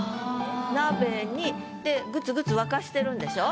「鍋に」でぐつぐつ沸かしてるんでしょ？